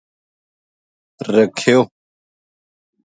رکھیو